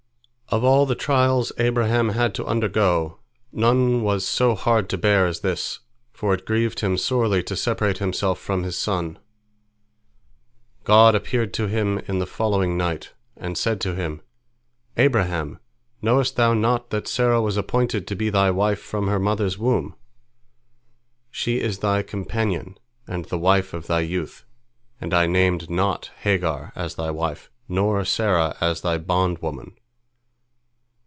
Of all the trials Abraham had to undergo, none was so hard to bear as this, for it grieved him sorely to separate himself from his son. God appeared to him in the following night, and said to him: "Abraham, knowest thou not that Sarah was appointed to be thy wife from her mother's womb? She is thy companion and the wife of thy youth, and I named not Hagar as thy wife, nor Sarah as thy bondwoman.